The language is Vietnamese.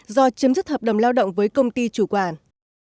do chấm dứt hợp đồng lao động với công ty chủ quản